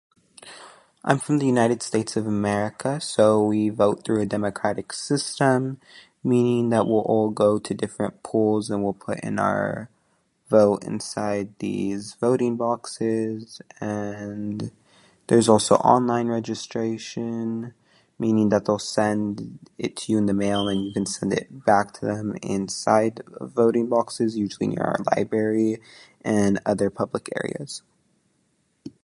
I'm from the United States of America, so we vote through a democratic system, meaning that we'll all go to different polls and we'll put in our vote inside these voting boxes. And there's also online registration, meaning that they'll send it to you in the mail and you can send it back to them inside of voting boxes using your own library and other public areas.